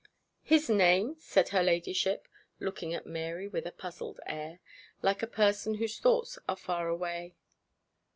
'His name!' said her ladyship, looking at Mary with a puzzled air, like a person whose thoughts are far away.